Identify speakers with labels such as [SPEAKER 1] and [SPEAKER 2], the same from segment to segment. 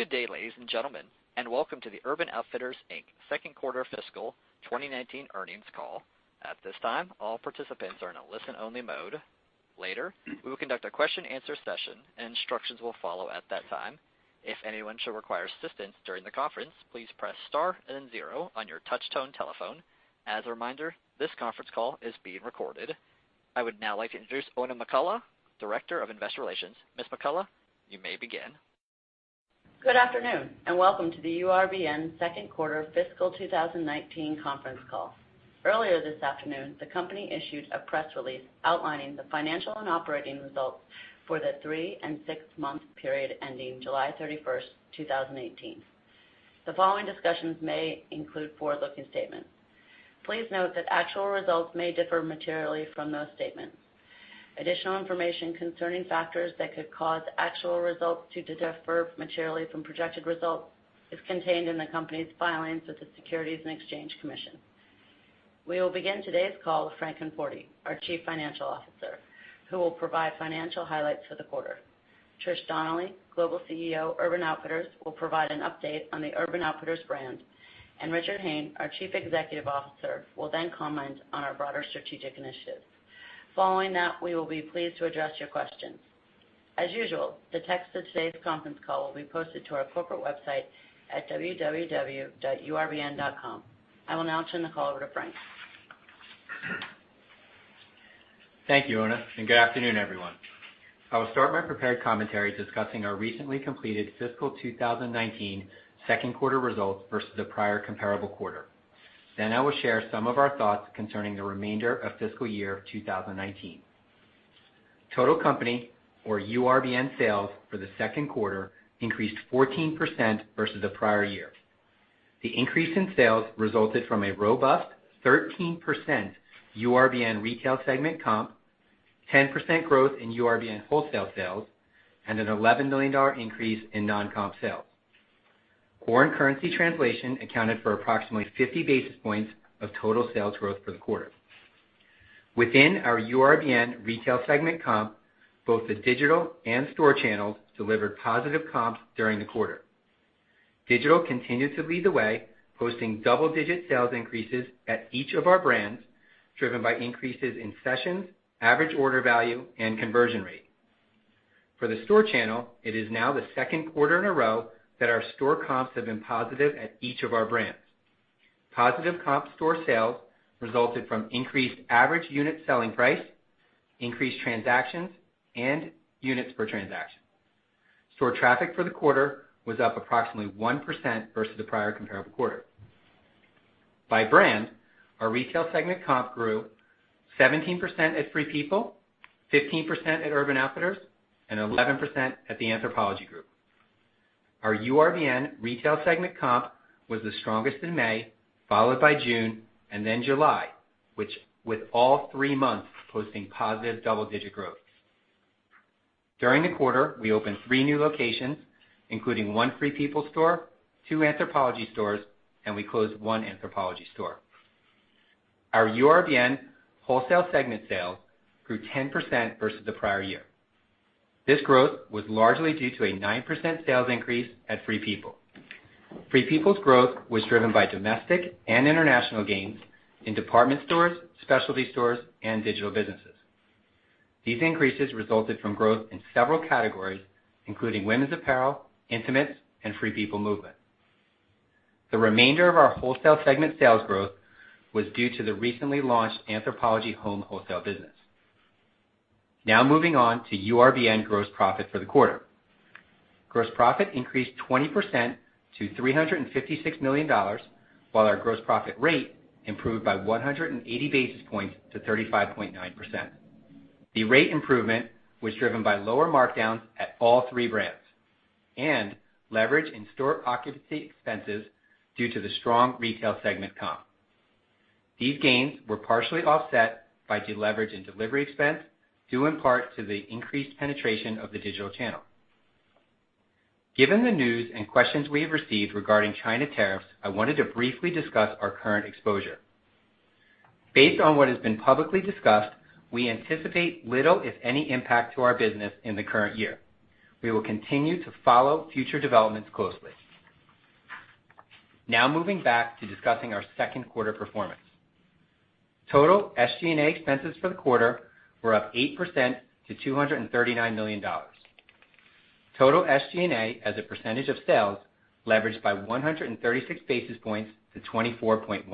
[SPEAKER 1] Good day, ladies and gentlemen, and welcome to the Urban Outfitters, Inc. second quarter fiscal 2019 earnings call. At this time, all participants are in a listen-only mode. Later, we will conduct a question and answer session, and instructions will follow at that time. If anyone should require assistance during the conference, please press star and zero on your touch-tone telephone. As a reminder, this conference call is being recorded. I would now like to introduce Oona McCullough, Director of Investor Relations. Ms. McCullough, you may begin.
[SPEAKER 2] Good afternoon, and welcome to the URBN second quarter fiscal 2019 conference call. Earlier this afternoon, the company issued a press release outlining the financial and operating results for the three and six-month period ending July 31st, 2018. The following discussions may include forward-looking statements. Please note that actual results may differ materially from those statements. Additional information concerning factors that could cause actual results to differ materially from projected results is contained in the company's filings with the Securities and Exchange Commission. We will begin today's call with Frank Conforti, our Chief Financial Officer, who will provide financial highlights for the quarter. Trish Donnelly, Global CEO, Urban Outfitters, will provide an update on the Urban Outfitters brand. Richard Hayne, our Chief Executive Officer, will then comment on our broader strategic initiatives. Following that, we will be pleased to address your questions. As usual, the text of today's conference call will be posted to our corporate website at www.urbn.com. I will now turn the call over to Frank.
[SPEAKER 3] Thank you, Oona, good afternoon, everyone. I will start my prepared commentary discussing our recently completed fiscal 2019 second quarter results versus the prior comparable quarter. Then I will share some of our thoughts concerning the remainder of fiscal year 2019. Total company or URBN sales for the second quarter increased 14% versus the prior year. The increase in sales resulted from a robust 13% URBN retail segment comp, 10% growth in URBN wholesale sales, and an $11 million increase in non-comp sales. Foreign currency translation accounted for approximately 50 basis points of total sales growth for the quarter. Within our URBN retail segment comp, both the digital and store channels delivered positive comps during the quarter. Digital continues to lead the way, posting double-digit sales increases at each of our brands, driven by increases in sessions, average order value, and conversion rate. For the store channel, it is now the second quarter in a row that our store comps have been positive at each of our brands. Positive comp store sales resulted from increased average unit selling price, increased transactions, and units per transaction. Store traffic for the quarter was up approximately 1% versus the prior comparable quarter. By brand, our retail segment comp grew 17% at Free People, 15% at Urban Outfitters, and 11% at the Anthropologie Group. Our URBN retail segment comp was the strongest in May, followed by June, and then July, with all three months posting positive double-digit growth. During the quarter, we opened three new locations, including one Free People store, two Anthropologie stores, and we closed one Anthropologie store. Our URBN wholesale segment sales grew 10% versus the prior year. This growth was largely due to a 9% sales increase at Free People. Free People's growth was driven by domestic and international gains in department stores, specialty stores, and digital businesses. These increases resulted from growth in several categories, including women's apparel, intimates, and Free People Movement. The remainder of our wholesale segment sales growth was due to the recently launched Anthropologie Home wholesale business. Now moving on to URBN gross profit for the quarter. Gross profit increased 20% to $356 million, while our gross profit rate improved by 180 basis points to 35.9%. The rate improvement was driven by lower markdowns at all three brands and leverage in store occupancy expenses due to the strong retail segment comp. These gains were partially offset by deleverage in delivery expense, due in part to the increased penetration of the digital channel. Given the news and questions we have received regarding China tariffs, I wanted to briefly discuss our current exposure. Based on what has been publicly discussed, we anticipate little, if any, impact to our business in the current year. We will continue to follow future developments closely. Now moving back to discussing our second quarter performance. Total SG&A expenses for the quarter were up 8% to $239 million. Total SG&A as a percentage of sales leveraged by 136 basis points to 24.1%.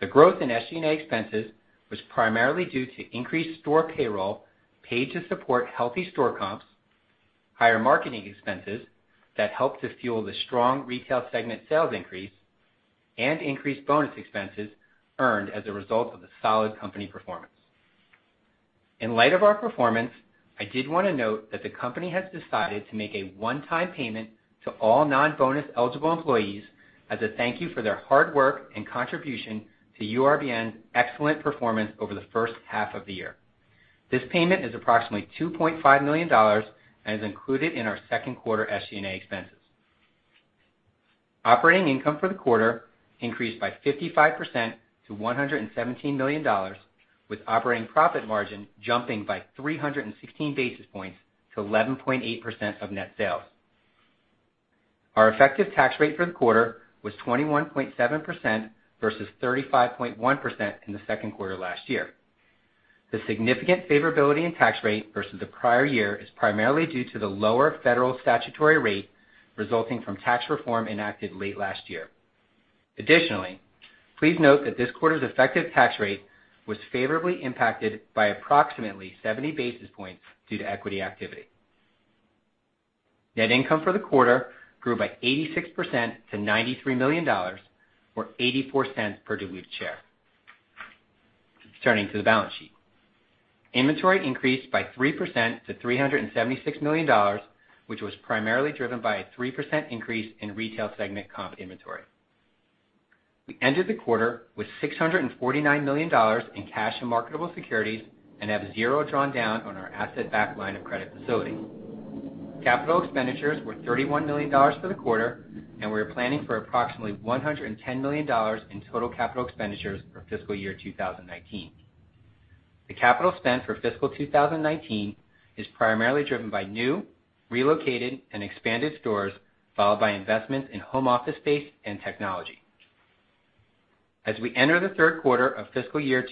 [SPEAKER 3] The growth in SG&A expenses was primarily due to increased store payroll paid to support healthy store comps, higher marketing expenses that helped to fuel the strong retail segment sales increase, and increased bonus expenses earned as a result of the solid company performance. In light of our performance, I did want to note that the company has decided to make a one-time payment to all non-bonus eligible employees as a thank you for their hard work and contribution to URBN's excellent performance over the first half of the year. This payment is approximately $2.5 million and is included in our second quarter SG&A expenses. Operating income for the quarter increased by 55% to $117 million, with operating profit margin jumping by 316 basis points to 11.8% of net sales. Our effective tax rate for the quarter was 21.7% versus 35.1% in the second quarter last year. The significant favorability in tax rate versus the prior year is primarily due to the lower federal statutory rate resulting from tax reform enacted late last year. Additionally, please note that this quarter's effective tax rate was favorably impacted by approximately 70 basis points due to equity activity. Net income for the quarter grew by 86% to $93 million, or $0.84 per diluted share. Turning to the balance sheet. Inventory increased by 3% to $376 million, which was primarily driven by a 3% increase in retail segment comp inventory. We ended the quarter with $649 million in cash and marketable securities and have zero drawn down on our asset-backed line of credit facilities. Capital expenditures were $31 million for the quarter, and we are planning for approximately $110 million in total capital expenditures for FY 2019. The capital spend for FY 2019 is primarily driven by new, relocated, and expanded stores, followed by investments in home office space and technology. As we enter the third quarter of FY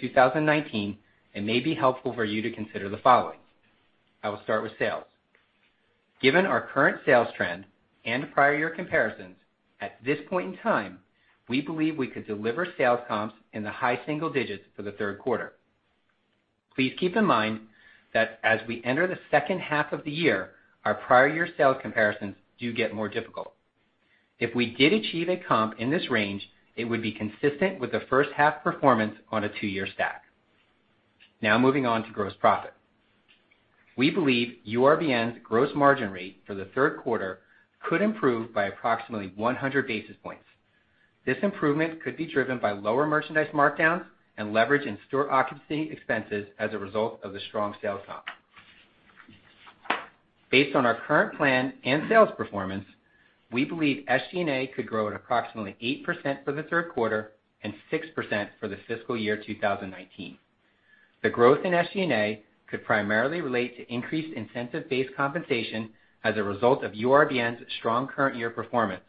[SPEAKER 3] 2019, it may be helpful for you to consider the following. I will start with sales. Given our current sales trend and prior year comparisons, at this point in time, we believe we could deliver sales comps in the high single digits for the third quarter. Please keep in mind that as we enter the second half of the year, our prior year sales comparisons do get more difficult. If we did achieve a comp in this range, it would be consistent with the first half performance on a two-year stack. Moving on to gross profit. We believe URBN's gross margin rate for the third quarter could improve by approximately 100 basis points. This improvement could be driven by lower merchandise markdowns and leverage in store occupancy expenses as a result of the strong sales comp. Based on our current plan and sales performance, we believe SG&A could grow at approximately 8% for the third quarter and 6% for FY 2019. The growth in SG&A could primarily relate to increased incentive-based compensation as a result of URBN's strong current year performance,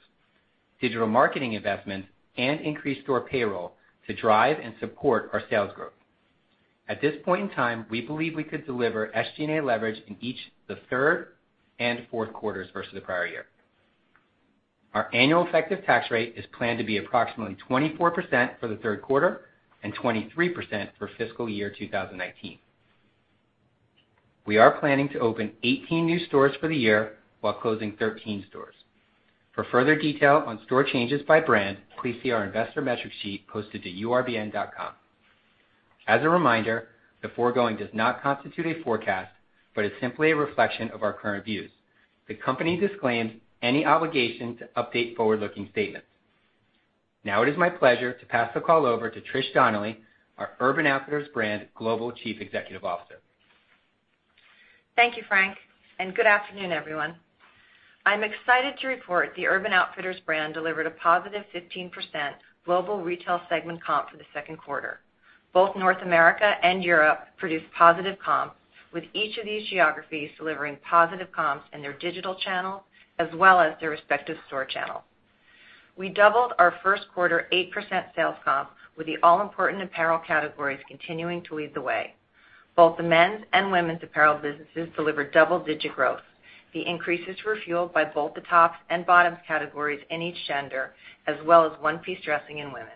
[SPEAKER 3] digital marketing investments, and increased store payroll to drive and support our sales growth. At this point in time, we believe we could deliver SG&A leverage in each the third and fourth quarters versus the prior year. Our annual effective tax rate is planned to be approximately 24% for the third quarter and 23% for FY 2019. We are planning to open 18 new stores for the year while closing 13 stores. For further detail on store changes by brand, please see our investor metric sheet posted to urbn.com. As a reminder, the foregoing does not constitute a forecast, but is simply a reflection of our current views. The Company disclaims any obligation to update forward-looking statements. It is my pleasure to pass the call over to Trish Donnelly, our Urban Outfitters brand Global Chief Executive Officer.
[SPEAKER 4] Thank you, Frank, and good afternoon, everyone. I'm excited to report the Urban Outfitters brand delivered a positive 15% global retail segment comp for the second quarter. Both North America and Europe produced positive comps, with each of these geographies delivering positive comps in their digital channel, as well as their respective store channel. We doubled our first quarter 8% sales comp with the all-important apparel categories continuing to lead the way. Both the men's and women's apparel businesses delivered double-digit growth. The increases were fueled by both the tops and bottoms categories in each gender, as well as one-piece dressing in women's.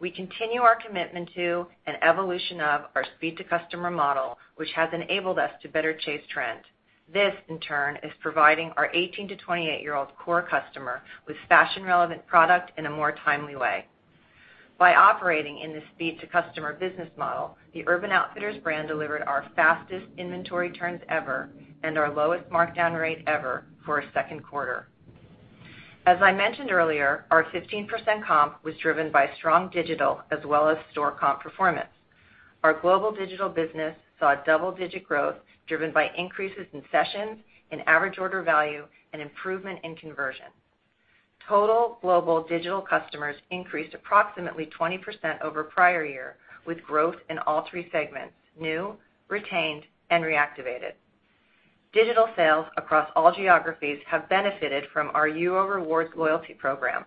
[SPEAKER 4] We continue our commitment to and evolution of our speed to customer model, which has enabled us to better chase trend. This, in turn, is providing our 18-to-28-year-old core customer with fashion-relevant product in a more timely way. By operating in this speed to customer business model, the Urban Outfitters brand delivered our fastest inventory turns ever and our lowest markdown rate ever for a second quarter. As I mentioned earlier, our 15% comp was driven by strong digital as well as store comp performance. Our global digital business saw double-digit growth, driven by increases in sessions, in average order value, and improvement in conversion. Total global digital customers increased approximately 20% over prior year, with growth in all three segments, new, retained, and reactivated. Digital sales across all geographies have benefited from our UO Rewards loyalty program.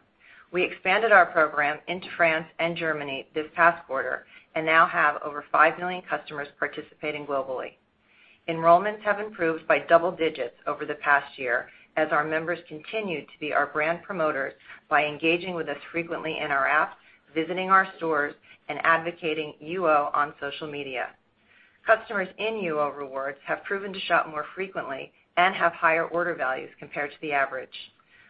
[SPEAKER 4] We expanded our program into France and Germany this past quarter and now have over five million customers participating globally. Enrollments have improved by double digits over the past year as our members continue to be our brand promoters by engaging with us frequently in our apps, visiting our stores, and advocating UO on social media. Customers in UO Rewards have proven to shop more frequently and have higher order values compared to the average.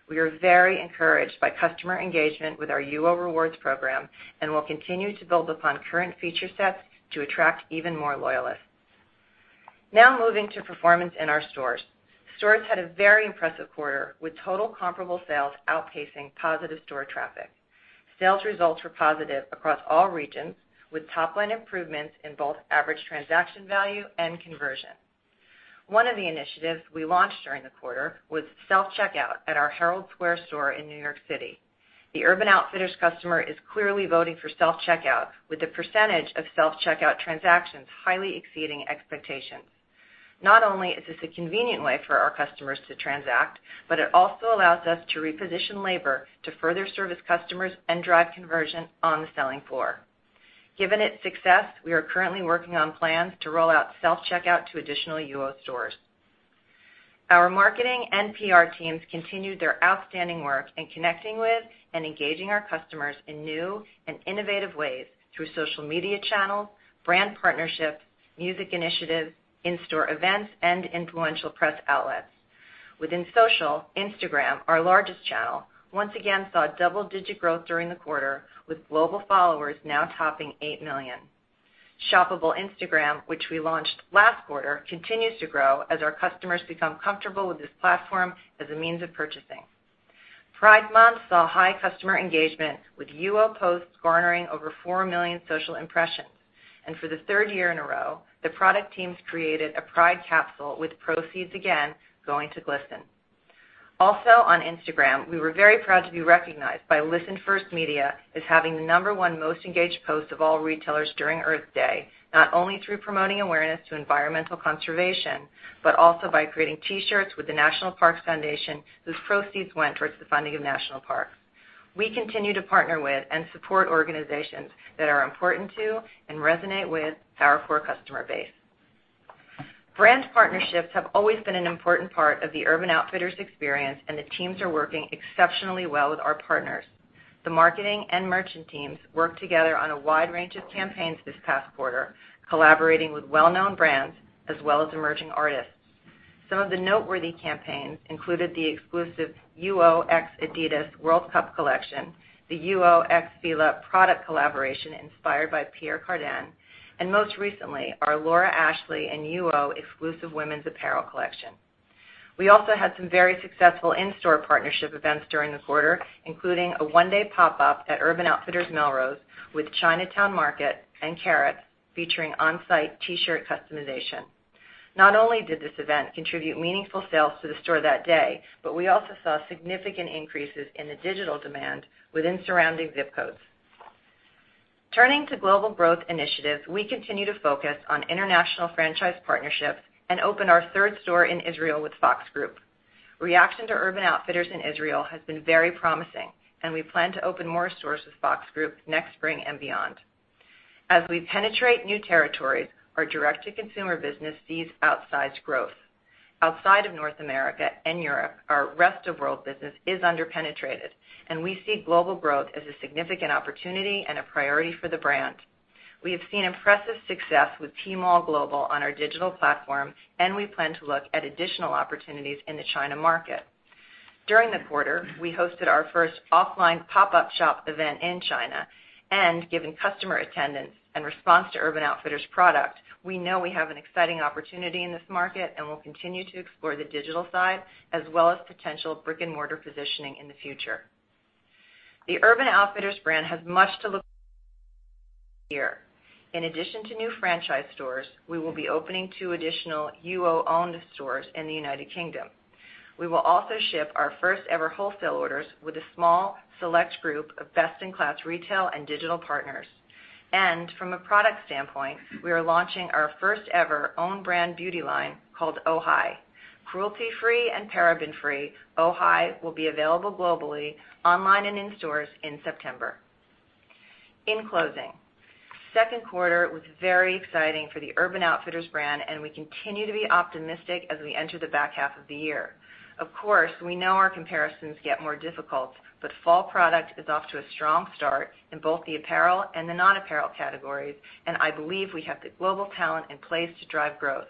[SPEAKER 4] We are very encouraged by customer engagement with our UO Rewards program and will continue to build upon current feature sets to attract even more loyalists. Now moving to performance in our stores. Stores had a very impressive quarter, with total comparable sales outpacing positive store traffic. Sales results were positive across all regions, with top-line improvements in both average transaction value and conversion. One of the initiatives we launched during the quarter was self-checkout at our Herald Square store in New York City. The Urban Outfitters customer is clearly voting for self-checkout, with the percentage of self-checkout transactions highly exceeding expectations. Not only is this a convenient way for our customers to transact, but it also allows us to reposition labor to further service customers and drive conversion on the selling floor. Given its success, we are currently working on plans to roll out self-checkout to additional UO stores. Our marketing and PR teams continued their outstanding work in connecting with and engaging our customers in new and innovative ways through social media channels, brand partnerships, music initiatives, in-store events, and influential press outlets. Within social, Instagram, our largest channel, once again saw double-digit growth during the quarter, with global followers now topping eight million. Shoppable Instagram, which we launched last quarter, continues to grow as our customers become comfortable with this platform as a means of purchasing. Pride Month saw high customer engagement, with UO posts garnering over 4 million social impressions. For the third year in a row, the product teams created a Pride capsule with proceeds again going to GLSEN. Also on Instagram, we were very proud to be recognized by ListenFirst as having the number one most engaged post of all retailers during Earth Day, not only through promoting awareness to environmental conservation, but also by creating T-shirts with the National Park Foundation, whose proceeds went towards the funding of national parks. We continue to partner with and support organizations that are important to and resonate with our core customer base. Brand partnerships have always been an important part of the Urban Outfitters experience. The teams are working exceptionally well with our partners. The marketing and merchant teams worked together on a wide range of campaigns this past quarter, collaborating with well-known brands as well as emerging artists. Some of the noteworthy campaigns included the exclusive UO x Adidas World Cup collection, the UO x Fila product collaboration inspired by Pierre Cardin, and most recently, our Laura Ashley and UO exclusive women's apparel collection. We also had some very successful in-store partnership events during the quarter, including a one-day pop-up at Urban Outfitters Melrose with Chinatown Market and Carrots, featuring on-site T-shirt customization. Not only did this event contribute meaningful sales to the store that day, we also saw significant increases in the digital demand within surrounding zip codes. Turning to global growth initiatives, we continue to focus on international franchise partnerships, open our third store in Israel with Fox Group. Reaction to Urban Outfitters in Israel has been very promising. We plan to open more stores with Fox Group next spring and beyond. As we penetrate new territories, our direct-to-consumer business sees outsized growth. Outside of North America and Europe, our rest of world business is under-penetrated. We see global growth as a significant opportunity and a priority for the brand. We have seen impressive success with Tmall Global on our digital platform. We plan to look at additional opportunities in the China market. During the quarter, we hosted our first offline pop-up shop event in China. Given customer attendance and response to Urban Outfitters product, we know we have an exciting opportunity in this market and will continue to explore the digital side, as well as potential brick-and-mortar positioning in the future. The Urban Outfitters brand has much to look here. In addition to new franchise stores, we will be opening two additional UO-owned stores in the United Kingdom. We will also ship our first-ever wholesale orders with a small, select group of best-in-class retail and digital partners. From a product standpoint, we are launching our first-ever own brand beauty line called Ohii. Cruelty-free and paraben-free, Ohii will be available globally online and in stores in September. In closing, second quarter was very exciting for the Urban Outfitters brand. We continue to be optimistic as we enter the back half of the year. Of course, we know our comparisons get more difficult, fall product is off to a strong start in both the apparel and the non-apparel categories, I believe we have the global talent in place to drive growth.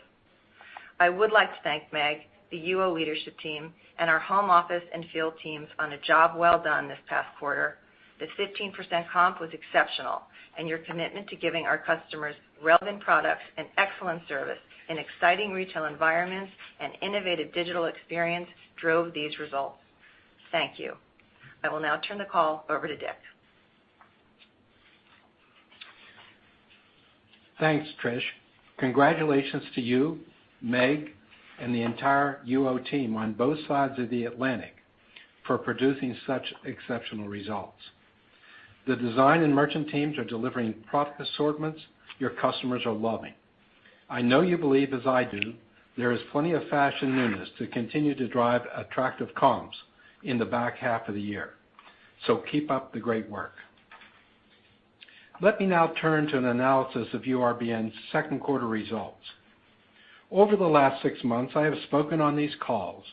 [SPEAKER 4] I would like to thank Meg, the UO leadership team, and our home office and field teams on a job well done this past quarter. The 15% comp was exceptional, and your commitment to giving our customers relevant products and excellent service and exciting retail environments and innovative digital experience drove these results. Thank you. I will now turn the call over to Dick.
[SPEAKER 5] Thanks, Trish. Congratulations to you, Meg, and the entire UO team on both sides of the Atlantic for producing such exceptional results. The design and merchant teams are delivering product assortments your customers are loving. I know you believe, as I do, there is plenty of fashion newness to continue to drive attractive comps in the back half of the year. Keep up the great work. Let me now turn to an analysis of URBN's second quarter results. Over the last six months, I have spoken on these calls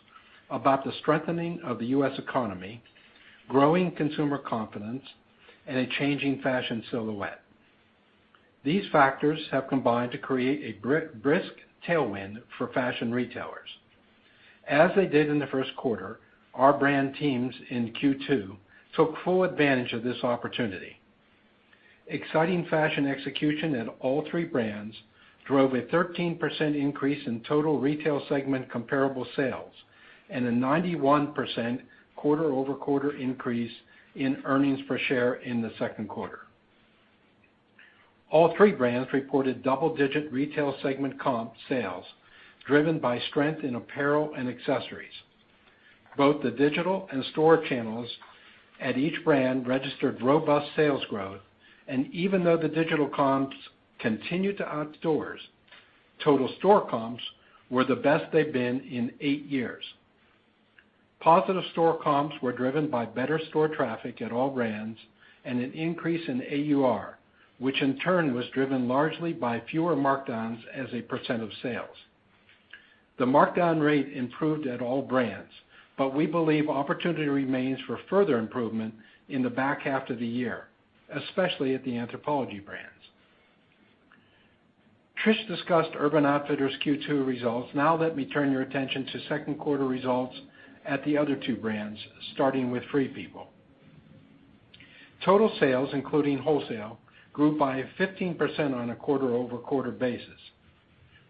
[SPEAKER 5] about the strengthening of the U.S. economy, growing consumer confidence, and a changing fashion silhouette. These factors have combined to create a brisk tailwind for fashion retailers. As they did in the first quarter, our brand teams in Q2 took full advantage of this opportunity. Exciting fashion execution at all three brands drove a 13% increase in total retail segment comparable sales and a 91% quarter-over-quarter increase in earnings per share in the second quarter. All three brands reported double-digit retail segment comp sales driven by strength in apparel and accessories. Both the digital and store channels at each brand registered robust sales growth. Even though the digital comps continued to outdo stores, total store comps were the best they've been in eight years. Positive store comps were driven by better store traffic at all brands and an increase in AUR, which in turn was driven largely by fewer markdowns as a % of sales. The markdown rate improved at all brands. We believe opportunity remains for further improvement in the back half of the year, especially at the Anthropologie brands. Trish discussed Urban Outfitters Q2 results. Now let me turn your attention to second quarter results at the other two brands, starting with Free People. Total sales, including wholesale, grew by 15% on a quarter-over-quarter basis.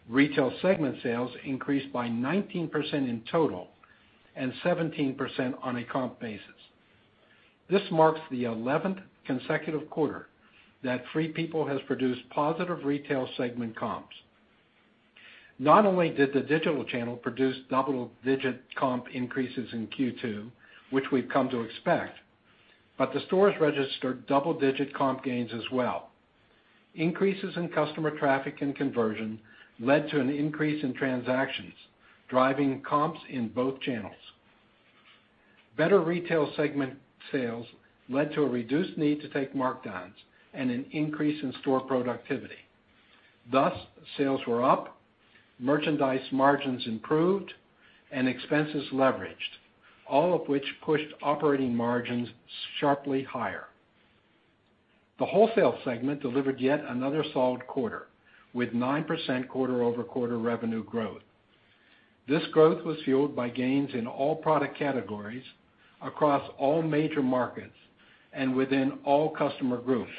[SPEAKER 5] Retail segment sales increased by 19% in total and 17% on a comp basis. This marks the 11th consecutive quarter that Free People has produced positive retail segment comps. Not only did the digital channel produce double-digit comp increases in Q2, which we've come to expect, the stores registered double-digit comp gains as well. Increases in customer traffic and conversion led to an increase in transactions, driving comps in both channels. Better retail segment sales led to a reduced need to take markdowns and an increase in store productivity. Thus, sales were up, merchandise margins improved, and expenses leveraged, all of which pushed operating margins sharply higher. The wholesale segment delivered yet another solid quarter, with 9% quarter-over-quarter revenue growth. This growth was fueled by gains in all product categories across all major markets and within all customer groups,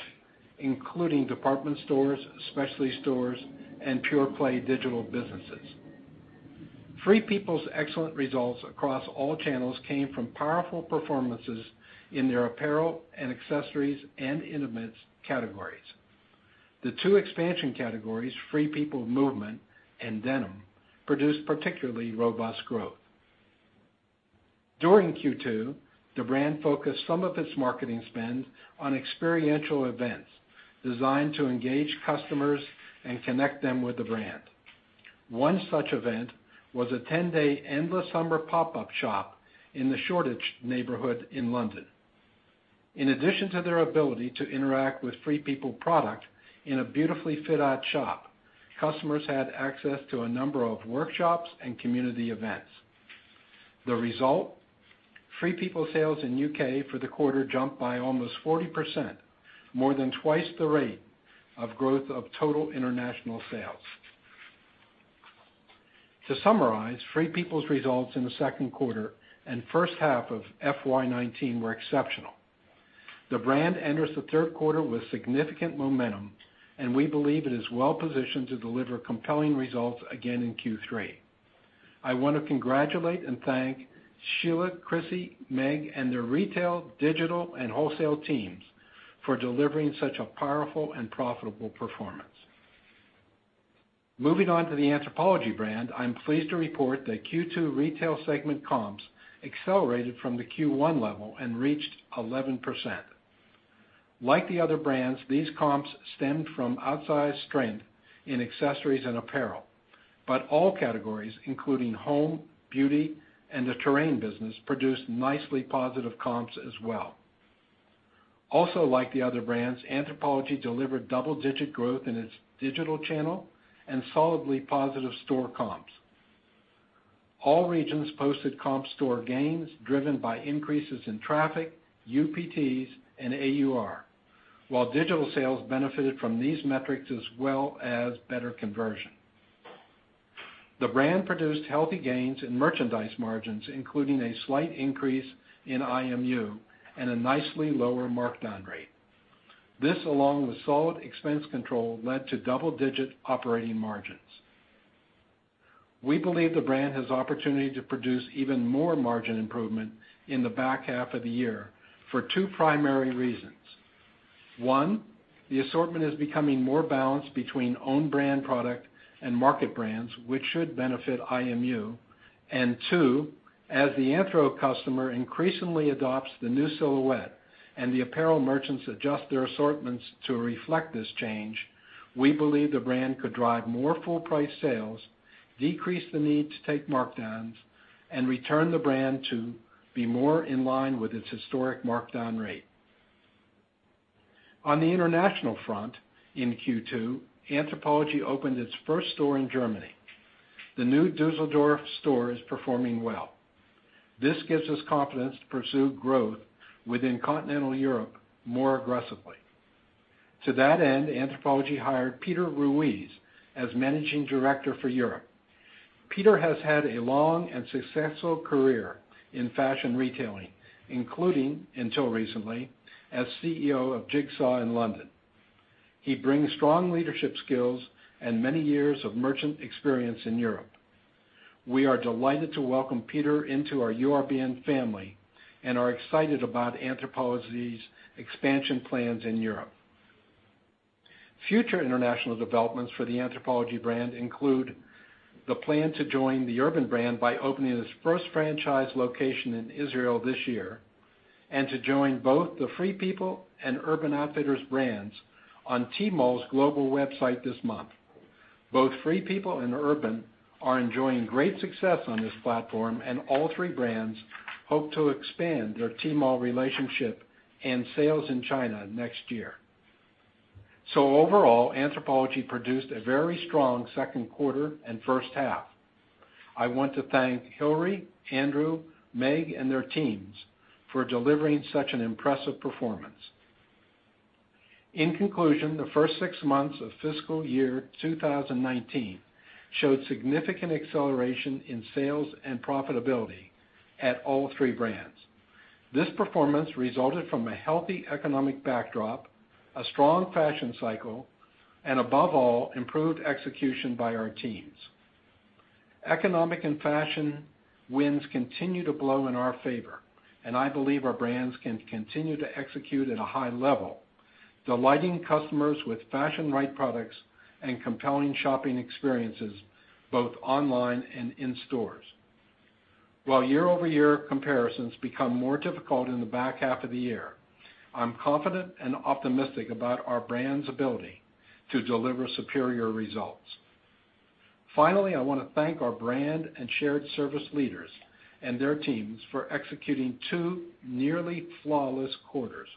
[SPEAKER 5] including department stores, specialty stores, and pure-play digital businesses. Free People's excellent results across all channels came from powerful performances in their apparel and accessories and intimates categories. The two expansion categories, Free People Movement and denim, produced particularly robust growth. During Q2, the brand focused some of its marketing spend on experiential events designed to engage customers and connect them with the brand. One such event was a 10-day endless summer pop-up shop in the Shoreditch neighborhood in London. In addition to their ability to interact with Free People product in a beautifully fit-out shop, customers had access to a number of workshops and community events. The result, Free People sales in U.K. for the quarter jumped by almost 40%, more than twice the rate of growth of total international sales. To summarize, Free People's results in the second quarter and first half of FY '19 were exceptional. The brand enters the third quarter with significant momentum, and we believe it is well positioned to deliver compelling results again in Q3. I want to congratulate and thank Sheila, Chrissy, Meg, and their retail, digital, and wholesale teams for delivering such a powerful and profitable performance. Moving on to the Anthropologie brand, I'm pleased to report that Q2 retail segment comps accelerated from the Q1 level and reached 11%. Like the other brands, these comps stemmed from outsized strength in accessories and apparel, but all categories, including home, beauty, and the Terrain business, produced nicely positive comps as well. Also, like the other brands, Anthropologie delivered double-digit growth in its digital channel and solidly positive store comps. All regions posted comp store gains driven by increases in traffic, UPTs, and AUR, while digital sales benefited from these metrics, as well as better conversion. The brand produced healthy gains in merchandise margins, including a slight increase in IMU and a nicely lower markdown rate. This, along with solid expense control, led to double-digit operating margins. We believe the brand has opportunity to produce even more margin improvement in the back half of the year for two primary reasons. One, the assortment is becoming more balanced between own brand product and market brands, which should benefit IMU. Two, as the Anthro customer increasingly adopts the new silhouette and the apparel merchants adjust their assortments to reflect this change, we believe the brand could drive more full-price sales, decrease the need to take markdowns, and return the brand to be more in line with its historic markdown rate. On the international front in Q2, Anthropologie opened its first store in Germany. The new Düsseldorf store is performing well. This gives us confidence to pursue growth within continental Europe more aggressively. To that end, Anthropologie hired Peter Ruis as Managing Director for Europe. Peter has had a long and successful career in fashion retailing, including until recently, as CEO of Jigsaw in London. He brings strong leadership skills and many years of merchant experience in Europe. We are delighted to welcome Peter into our URBN family and are excited about Anthropologie's expansion plans in Europe. Future international developments for the Anthropologie brand include the plan to join the Urban brand by opening its first franchise location in Israel this year, and to join both the Free People and Urban Outfitters brands on Tmall Global's website this month. Both Free People and Urban are enjoying great success on this platform, and all three brands hope to expand their Tmall relationship and sales in China next year. Overall, Anthropologie produced a very strong second quarter and first half. I want to thank Hillary, Andrew, Meg, and their teams for delivering such an impressive performance. In conclusion, the first six months of fiscal year 2019 showed significant acceleration in sales and profitability at all three brands. This performance resulted from a healthy economic backdrop, a strong fashion cycle, and above all, improved execution by our teams. Economic and fashion winds continue to blow in our favor, and I believe our brands can continue to execute at a high level, delighting customers with fashion-right products and compelling shopping experiences both online and in stores. While year-over-year comparisons become more difficult in the back half of the year, I'm confident and optimistic about our brands' ability to deliver superior results. Finally, I want to thank our brand and shared service leaders and their teams for executing two nearly flawless quarters.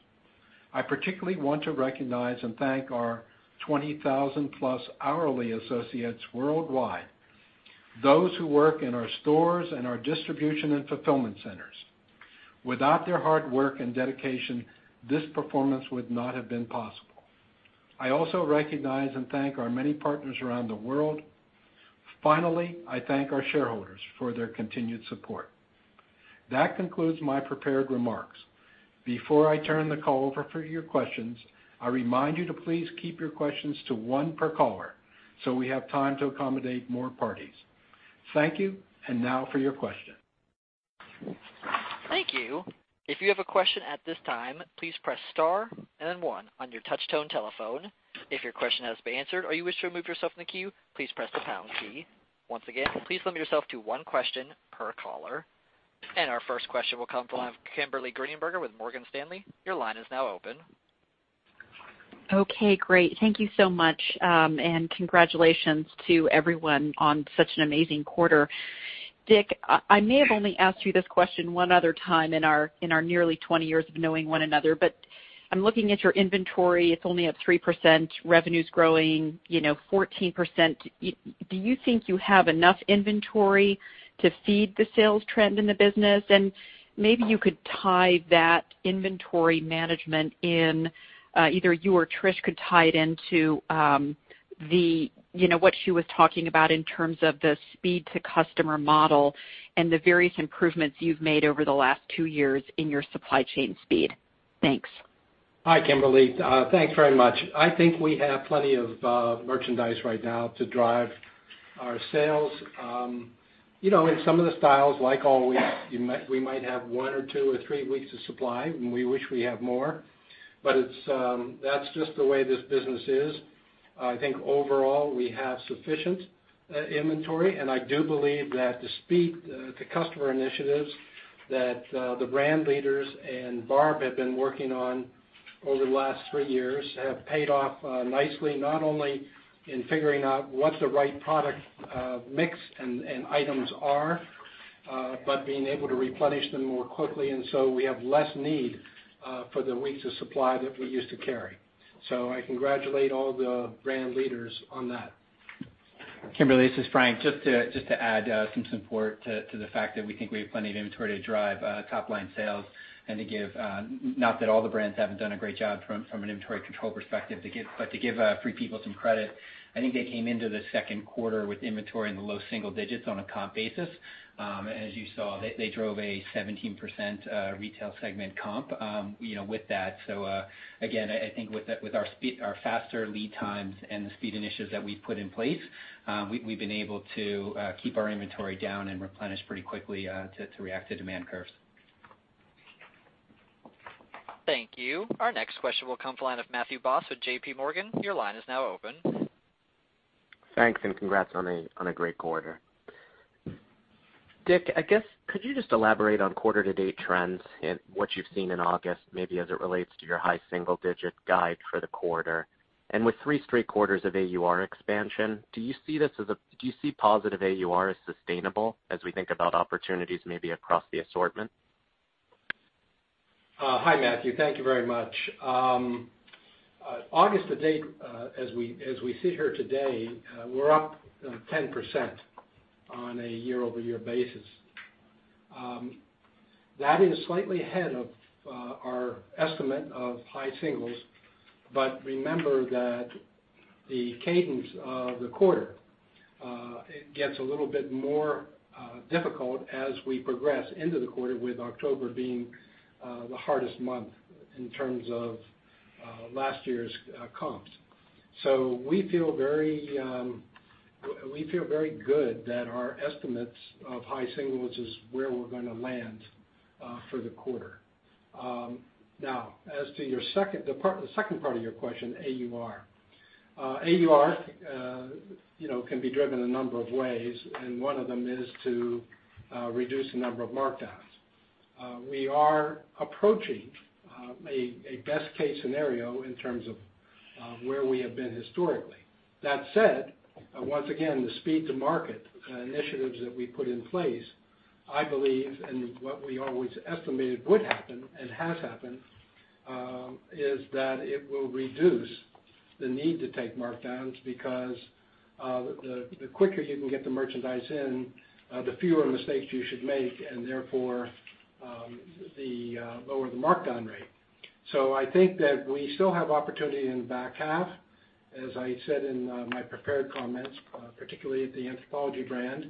[SPEAKER 5] I particularly want to recognize and thank our 20,000-plus hourly associates worldwide. Those who work in our stores and our distribution and fulfillment centers. Without their hard work and dedication, this performance would not have been possible. I also recognize and thank our many partners around the world. I thank our shareholders for their continued support. That concludes my prepared remarks. Before I turn the call over for your questions, I remind you to please keep your questions to one per caller so we have time to accommodate more parties. Thank you. Now for your questions.
[SPEAKER 1] Thank you. If you have a question at this time, please press star and one on your touch-tone telephone. If your question has been answered or you wish to remove yourself from the queue, please press the pound key. Once again, please limit yourself to one question per caller. Our first question will come from Kimberly Greenberger with Morgan Stanley. Your line is now open.
[SPEAKER 6] Okay. Great. Thank you so much. Congratulations to everyone on such an amazing quarter. Dick, I may have only asked you this question one other time in our nearly 20 years of knowing one another, but I'm looking at your inventory. It's only up 3%, revenue's growing 14%. Do you think you have enough inventory to feed the sales trend in the business? Maybe you could tie that inventory management in, either you or Trish could tie it into what she was talking about in terms of the speed-to-customer model and the various improvements you've made over the last two years in your supply chain speed. Thanks.
[SPEAKER 5] Hi, Kimberly. Thanks very much. I think we have plenty of merchandise right now to drive our sales. In some of the styles, like always, we might have one or two or three weeks of supply, and we wish we have more. That's just the way this business is. I think overall, we have sufficient inventory. I do believe that the speed-to-customer initiatives that the brand leaders and Barb have been working on over the last three years have paid off nicely, not only in figuring out what the right product mix and items are, but being able to replenish them more quickly. We have less need for the weeks of supply that we used to carry. I congratulate all the brand leaders on that.
[SPEAKER 3] Kimberly, this is Frank. Just to add some support to the fact that we think we have plenty of inventory to drive top-line sales and to give, not that all the brands haven't done a great job from an inventory control perspective, but to give Free People some credit, I think they came into the second quarter with inventory in the low single digits on a comp basis. As you saw, they drove a 17% retail segment comp with that. Again, I think with our faster lead times and the speed initiatives that we've put in place, we've been able to keep our inventory down and replenish pretty quickly to react to demand curves.
[SPEAKER 1] Thank you. Our next question will come from the line of Matthew Boss with JPMorgan. Your line is now open.
[SPEAKER 7] Thanks and congrats on a great quarter. Dick, I guess, could you just elaborate on quarter-to-date trends and what you've seen in August, maybe as it relates to your high single-digit guide for the quarter. With three straight quarters of AUR expansion, do you see positive AUR as sustainable as we think about opportunities maybe across the assortment?
[SPEAKER 5] Hi, Matthew. Thank you very much. August to date, as we sit here today, we're up 10% on a year-over-year basis. That is slightly ahead of our estimate of high singles, remember that the cadence of the quarter gets a little bit more difficult as we progress into the quarter, with October being the hardest month in terms of last year's comps. We feel very good that our estimates of high singles is where we're going to land for the quarter. Now, as to the second part of your question, AUR. AUR can be driven a number of ways, one of them is to reduce the number of markdowns. We are approaching a best-case scenario in terms of where we have been historically. That said, once again, the speed-to-market initiatives that we put in place, I believe, what we always estimated would happen and has happened, is that it will reduce the need to take markdowns because the quicker you can get the merchandise in, the fewer mistakes you should make, therefore, the lower the markdown rate. I think that we still have opportunity in the back half, as I said in my prepared comments, particularly at the Anthropologie brand.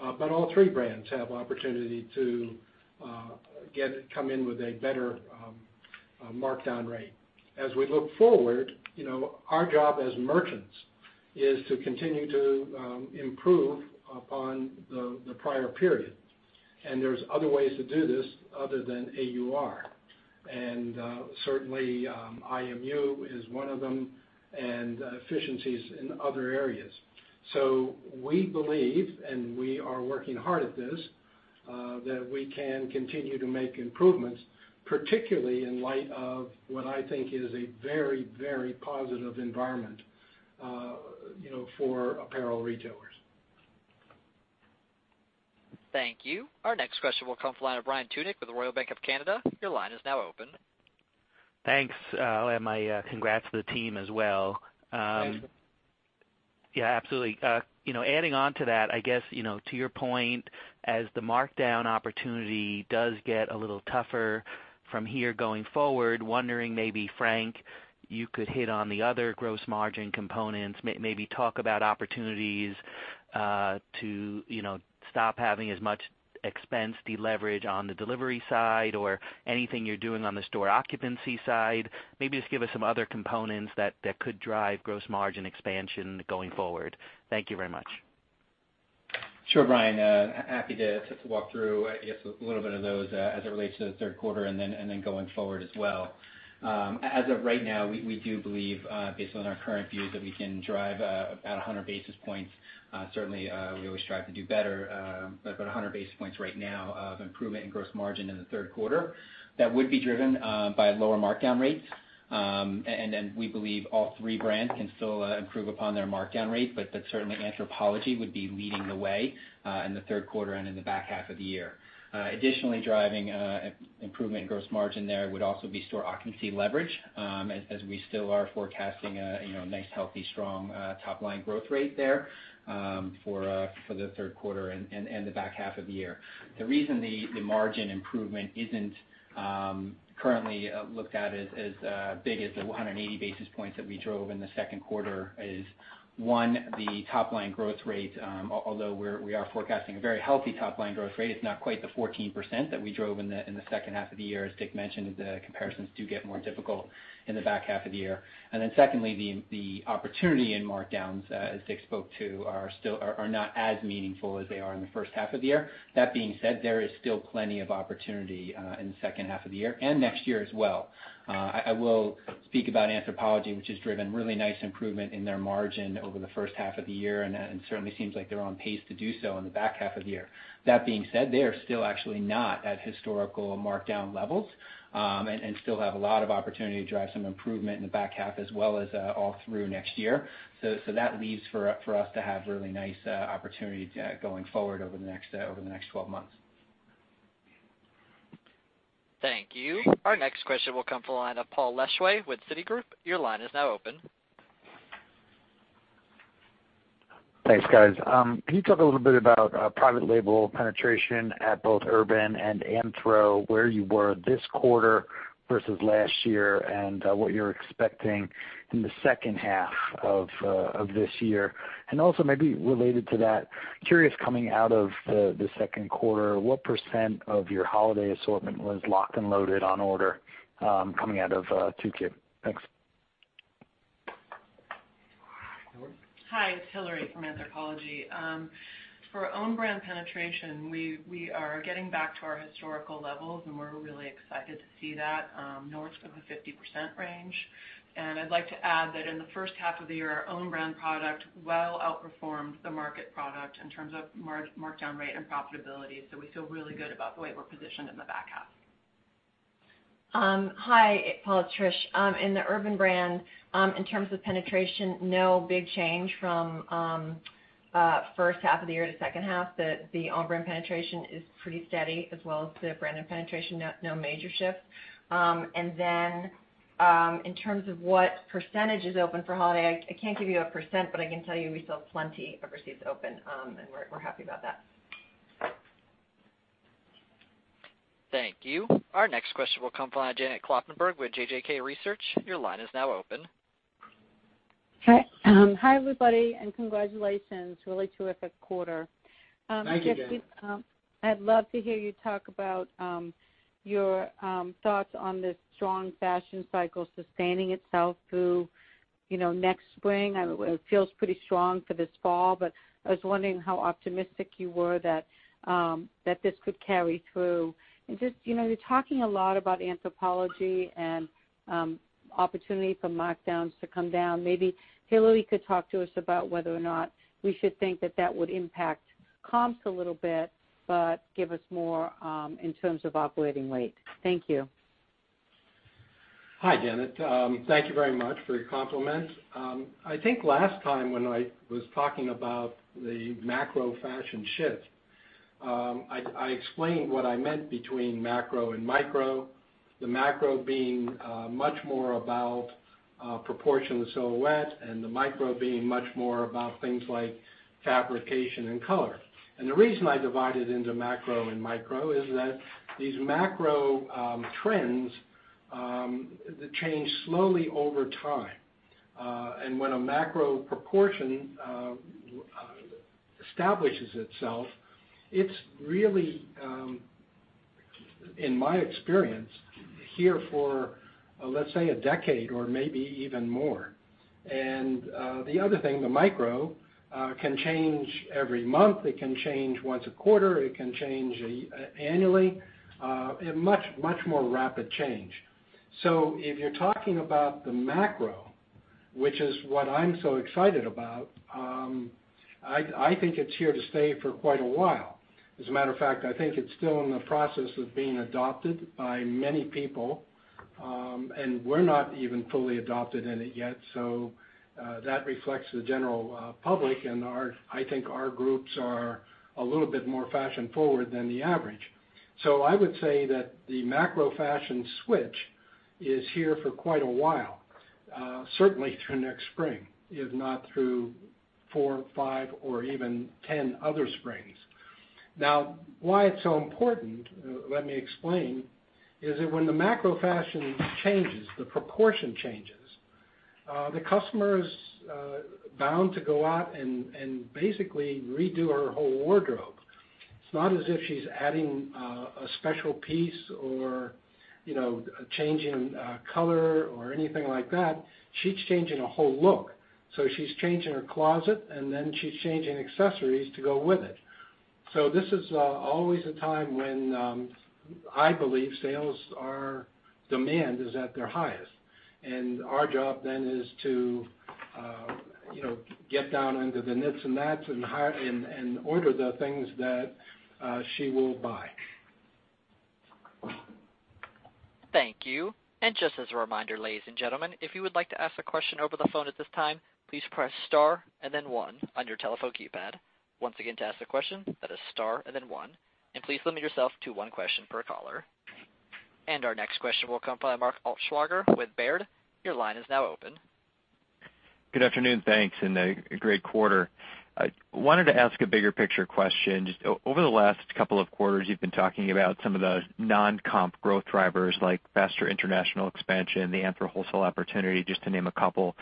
[SPEAKER 5] All three brands have an opportunity to come in with a better markdown rate. As we look forward, our job as merchants is to continue to improve upon the prior period. There's other ways to do this other than AUR. Certainly, IMU is one of them and efficiencies in other areas. We believe, we are working hard at this, that we can continue to make improvements, particularly in light of what I think is a very, very positive environment for apparel retailers.
[SPEAKER 1] Thank you. Our next question will come from the line of Brian Tunick with Royal Bank of Canada. Your line is now open.
[SPEAKER 8] Thanks. I'll add my congrats to the team as well.
[SPEAKER 5] Thanks.
[SPEAKER 8] Yeah, absolutely. Adding on to that, I guess, to your point, as the markdown opportunity does get a little tougher from here going forward, wondering maybe, Frank, you could hit on the other gross margin components. Maybe talk about opportunities to stop having as much expense deleverage on the delivery side or anything you're doing on the store occupancy side. Maybe just give us some other components that could drive gross margin expansion going forward. Thank you very much.
[SPEAKER 3] Sure, Brian. Happy to walk through, I guess, a little bit of those as it relates to the third quarter and then going forward as well. As of right now, we do believe, based on our current views, that we can drive about 100 basis points. Certainly, we always strive to do better. About 100 basis points right now of improvement in gross margin in the third quarter. That would be driven by lower markdown rates. We believe all three brands can still improve upon their markdown rate. Certainly, Anthropologie would be leading the way in the third quarter and in the back half of the year. Additionally, driving improvement in gross margin there would also be store occupancy leverage, as we still are forecasting a nice, healthy, strong top-line growth rate there for the third quarter and the back half of the year. The reason the margin improvement isn't currently looked at as big as the 180 basis points that we drove in the second quarter is, one, the top-line growth rate. Although we are forecasting a very healthy top-line growth rate, it's not quite the 14% that we drove in the second half of the year. As Dick mentioned, the comparisons do get more difficult in the back half of the year. Secondly, the opportunity in markdowns, as Dick spoke to, are not as meaningful as they are in the first half of the year. That being said, there is still plenty of opportunity in the second half of the year and next year as well. I will speak about Anthropologie, which has driven really nice improvement in their margin over the first half of the year and certainly seems like they're on pace to do so in the back half of the year. That being said, they are still actually not at historical markdown levels and still have a lot of opportunity to drive some improvement in the back half as well as all through next year. That leaves for us to have really nice opportunity going forward over the next 12 months.
[SPEAKER 1] Thank you. Our next question will come from the line of Paul Lejuez with Citigroup. Your line is now open.
[SPEAKER 9] Thanks, guys. Can you talk a little bit about private label penetration at both Urban and Anthro, where you were this quarter versus last year, and what you're expecting in the second half of this year? Also maybe related to that, curious coming out of the second quarter, what % of your holiday assortment was locked and loaded on order coming out of Q2? Thanks.
[SPEAKER 5] Hillary.
[SPEAKER 10] Hi, it's Hillary from Anthropologie. For own brand penetration, we are getting back to our historical levels, and we're really excited to see that north of the 50% range. I'd like to add that in the first half of the year, our own brand product well outperformed the market product in terms of markdown rate and profitability. We feel really good about the way we're positioned in the back half.
[SPEAKER 4] Hi, Paul. It's Trish. In the Urban brand, in terms of penetration, no big change from first half of the year to second half. The own brand penetration is pretty steady as well as the branded penetration, no major shift. Then, in terms of what percentage is open for holiday, I can't give you a %, but I can tell you we still have plenty of receipts open, and we're happy about that.
[SPEAKER 1] Thank you. Our next question will come from the line of Janet Kloppenburg with JJK Research. Your line is now open.
[SPEAKER 11] Hi everybody, and congratulations. Really terrific quarter.
[SPEAKER 5] Thank you, Janet.
[SPEAKER 11] I'd love to hear you talk about your thoughts on this strong fashion cycle sustaining itself through next spring. It feels pretty strong for this fall, but I was wondering how optimistic you were that this could carry through. You're talking a lot about Anthropologie and opportunity for markdowns to come down. Maybe Hillary could talk to us about whether or not we should think that that would impact comps a little bit, but give us more, in terms of operating rate. Thank you.
[SPEAKER 5] Hi, Janet. Thank you very much for your compliment. I think last time when I was talking about the macro fashion shift, I explained what I meant between macro and micro. The macro being much more about proportion and silhouette, and the micro being much more about things like fabrication and color. The reason I divide it into macro and micro is that these macro trends, they change slowly over time. When a macro proportion establishes itself, it's really, in my experience, here for, let's say a decade or maybe even more. The other thing, the micro, can change every month, it can change once a quarter, it can change annually. A much more rapid change. If you're talking about the macro, which is what I'm so excited about, I think it's here to stay for quite a while. As a matter of fact, I think it's still in the process of being adopted by many people, we're not even fully adopted in it yet. That reflects the general public and I think our groups are a little bit more fashion forward than the average. I would say that the macro fashion switch is here for quite a while, certainly through next spring, if not through four, five, or even 10 other springs. Why it's so important, let me explain, is that when the macro fashion changes, the proportion changes. The customer's bound to go out and basically redo her whole wardrobe. It's not as if she's adding a special piece or changing color or anything like that. She's changing a whole look. She's changing her closet, and then she's changing accessories to go with it. This is always a time when, I believe, sales are demand is at their highest. Our job then is to get down under the nits and gnats and order the things that she will buy.
[SPEAKER 1] Thank you. Just as a reminder, ladies and gentlemen, if you would like to ask a question over the phone at this time, please press star and then one on your telephone keypad. Once again, to ask a question, that is star and then one, please limit yourself to one question per caller. Our next question will come from Mark Altschwager with Baird. Your line is now open.
[SPEAKER 12] Good afternoon. Thanks, a great quarter. I wanted to ask a bigger picture question. Just over the last couple of quarters, you've been talking about some of the non-comp growth drivers like faster international expansion, the Anthro wholesale opportunity, just to name a couple.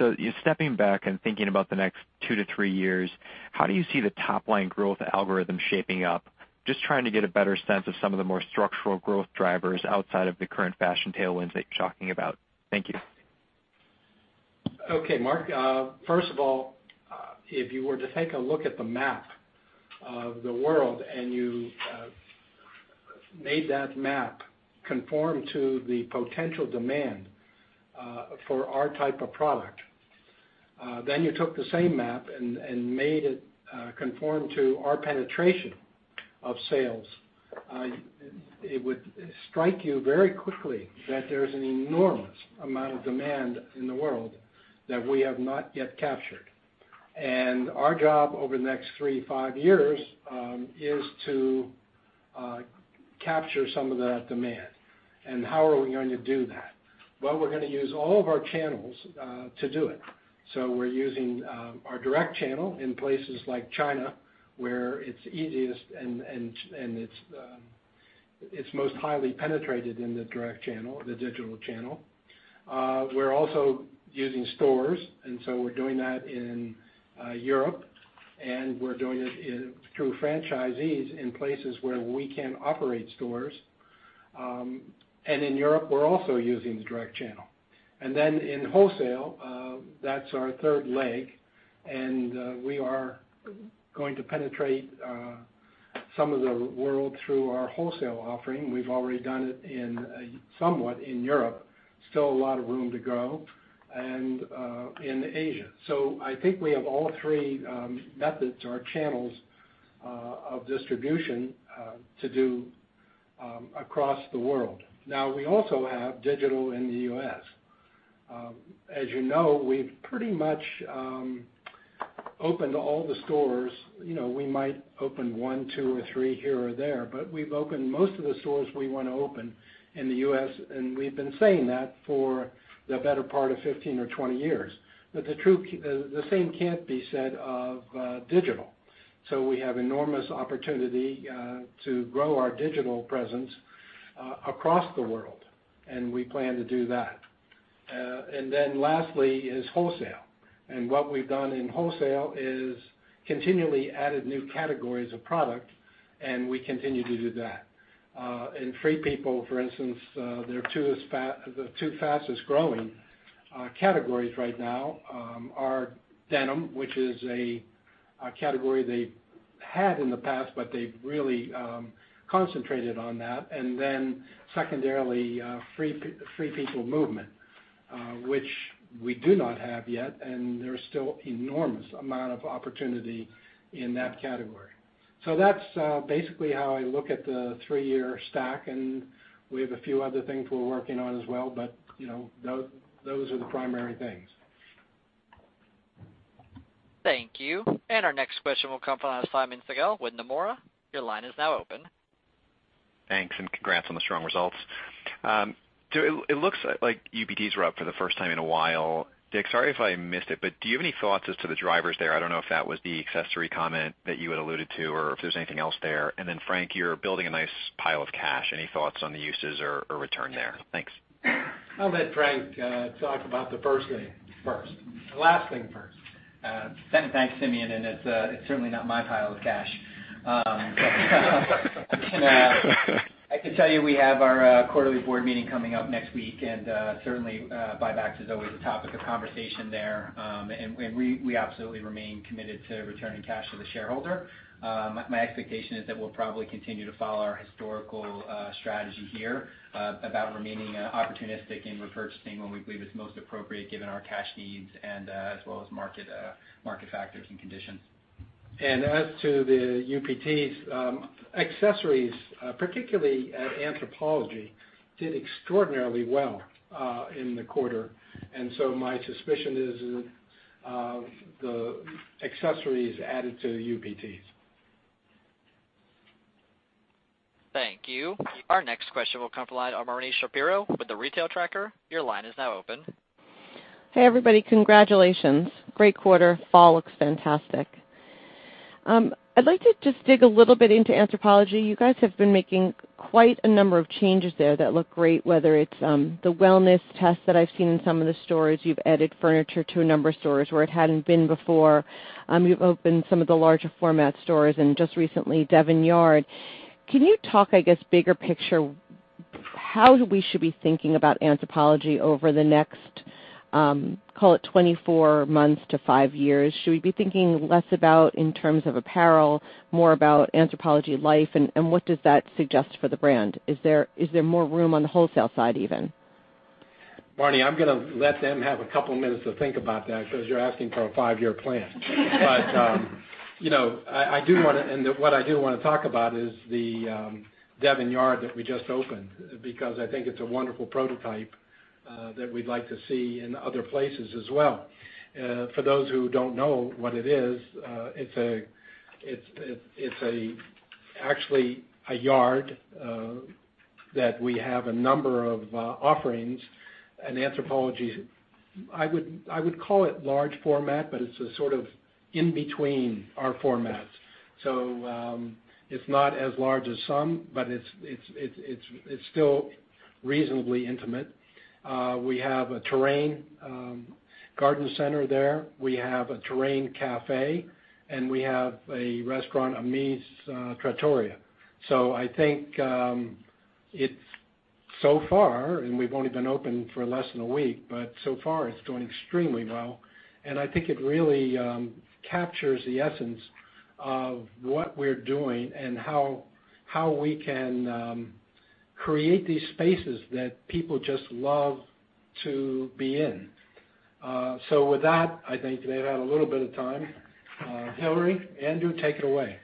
[SPEAKER 12] You're stepping back and thinking about the next 2 to 3 years, how do you see the top line growth algorithm shaping up? Just trying to get a better sense of some of the more structural growth drivers outside of the current fashion tailwinds that you're talking about. Thank you.
[SPEAKER 5] Okay, Mark. First of all, if you were to take a look at the map of the world and you made that map conform to the potential demand for our type of product, you took the same map and made it conform to our penetration of sales, it would strike you very quickly that there's an enormous amount of demand in the world that we have not yet captured. Our job over the next 3 to 5 years, is to capture some of that demand. How are we going to do that? Well, we're going to use all of our channels to do it. We're using our direct channel in places like China, where it's easiest and it's most highly penetrated in the direct channel, the digital channel. We're also using stores, we're doing that in Europe and we're doing it through franchisees in places where we can't operate stores. In Europe, we're also using the direct channel. In wholesale, that's our third leg, and we are going to penetrate some of the world through our wholesale offering. We've already done it somewhat in Europe. Still a lot of room to grow. In Asia. I think we have all three methods or channels of distribution to do across the world. We also have digital in the U.S. As you know, we've pretty much opened all the stores. We might open one, two, or three here or there, but we've opened most of the stores we want to open in the U.S., and we've been saying that for the better part of 15 or 20 years. The same can't be said of digital. We have enormous opportunity to grow our digital presence across the world, and we plan to do that. Lastly is wholesale. What we've done in wholesale is continually added new categories of product, and we continue to do that. In Free People, for instance, the two fastest-growing categories right now are denim, which is a category they had in the past, but they've really concentrated on that. Secondarily, Free People Movement, which we do not have yet, and there is still enormous amount of opportunity in that category. That's basically how I look at the three-year stack, and we have a few other things we're working on as well, but those are the primary things.
[SPEAKER 1] Thank you. Our next question will come from Simeon Siegel with Nomura. Your line is now open.
[SPEAKER 13] Thanks, congrats on the strong results. It looks like UPTs were up for the first time in a while. Dick, sorry if I missed it, do you have any thoughts as to the drivers there? I don't know if that was the accessory comment that you had alluded to or if there's anything else there. Frank, you're building a nice pile of cash. Any thoughts on the uses or return there? Thanks.
[SPEAKER 5] I'll let Frank talk about the first thing first. The last thing first.
[SPEAKER 3] Thanks, Simeon. It's certainly not my pile of cash. I can tell you we have our quarterly board meeting coming up next week. Certainly buybacks is always a topic of conversation there. We absolutely remain committed to returning cash to the shareholder. My expectation is that we'll probably continue to follow our historical strategy here about remaining opportunistic in repurchasing when we believe it's most appropriate given our cash needs as well as market factors and conditions.
[SPEAKER 5] As to the UPTs, accessories, particularly at Anthropologie, did extraordinarily well in the quarter. My suspicion is the accessories added to the UPTs.
[SPEAKER 1] Thank you. Our next question will come from the line of Marni Shapiro with The Retail Tracker. Your line is now open.
[SPEAKER 14] Hey everybody. Congratulations. Great quarter. Fall looks fantastic. I'd like to just dig a little bit into Anthropologie. You guys have been making quite a number of changes there that look great, whether it's the wellness test that I've seen in some of the stores. You've added furniture to a number of stores where it hadn't been before. You've opened some of the larger format stores and just recently, Devon Yard. Can you talk, I guess, bigger picture, how we should be thinking about Anthropologie over the next, call it 24 months to five years? Should we be thinking less about in terms of apparel, more about Anthropologie life, and what does that suggest for the brand? Is there more room on the wholesale side, even?
[SPEAKER 5] Marni, I'm going to let them have a couple of minutes to think about that because you're asking for a five-year plan. What I do want to talk about is the Devon Yard that we just opened, because I think it's a wonderful prototype that we'd like to see in other places as well. For those who don't know what it is, it's actually a yard that we have a number of offerings and Anthropologie, I would call it large format, but it's a sort of in between our formats. It's not as large as some, but it's still reasonably intimate. We have a Terrain there. We have a Terrain cafe, and we have a restaurant, Amis Trattoria. I think so far, and we've only been open for less than a week, but so far it's doing extremely well, and I think it really captures the essence of what we're doing and how we can create these spaces that people just love to be in. With that, I think they've had a little bit of time. Hillary, Andrew, take it away.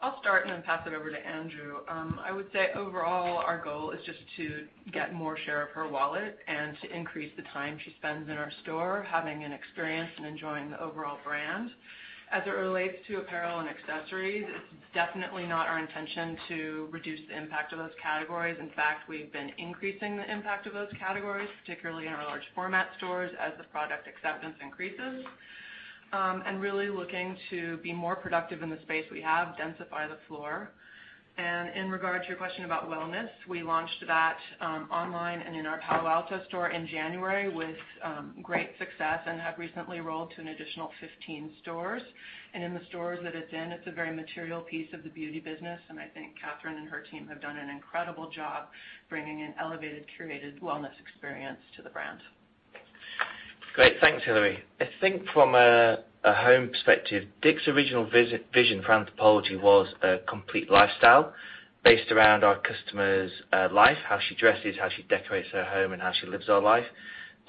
[SPEAKER 10] I'll start and then pass it over to Andrew. I would say overall, our goal is just to get more share of her wallet and to increase the time she spends in our store, having an experience and enjoying the overall brand. As it relates to apparel and accessories, it's definitely not our intention to reduce the impact of those categories. In fact, we've been increasing the impact of those categories, particularly in our large format stores as the product acceptance increases. Really looking to be more productive in the space we have, densify the floor. In regard to your question about wellness, we launched that online and in our Palo Alto store in January with great success and have recently rolled to an additional 15 stores. In the stores that it's in, it's a very material piece of the beauty business, and I think Katherine and her team have done an incredible job bringing an elevated, curated wellness experience to the brand.
[SPEAKER 15] Great. Thanks, Hillary. I think from a home perspective, Dick's original vision for Anthropologie was a complete lifestyle based around our customer's life, how she dresses, how she decorates her home, and how she lives her life.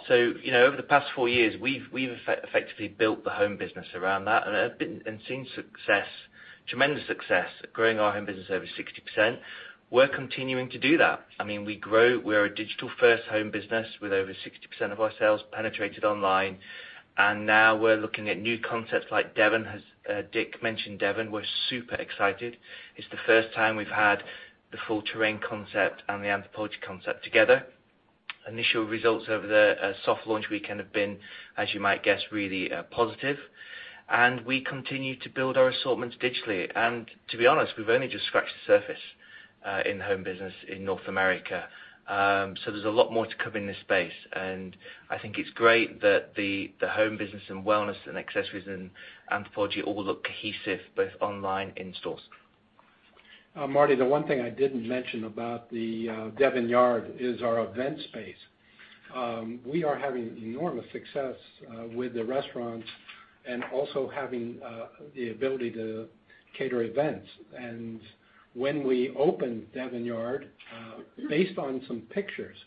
[SPEAKER 15] Over the past four years, we've effectively built the home business around that and seen success, tremendous success, at growing our home business over 60%. We're continuing to do that. I mean, we're a digital-first home business with over 60% of our sales penetrated online. Now we're looking at new concepts like Devon. Dick mentioned Devon. We're super excited. It's the first time we've had the full Terrain concept and the Anthropologie concept together. Initial results of the soft launch weekend have been, as you might guess, really positive. We continue to build our assortments digitally. To be honest, we've only just scratched the surface in the home business in North America. There's a lot more to come in this space. I think it's great that the home business and wellness and accessories and Anthropologie all look cohesive, both online and in stores.
[SPEAKER 5] Marni, the one thing I didn't mention about the Devon Yard is our event space. We are having enormous success with the restaurants and also having the ability to cater events. When we opened Devon Yard, based on some pictures,